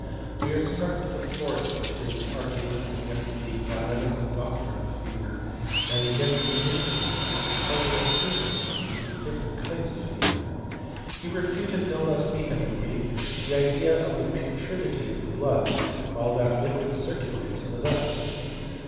We are struck with the force of Ul guments against the Galenical doctrine of feven against the influence of the cardinal humours tm different kinds of fever. He refuted no less vebeiBB the Idea of the putridity of the blood, while that M circulates in the vessels.